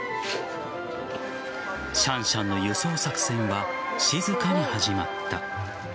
シャンシャンの輸送作戦は静かに始まった。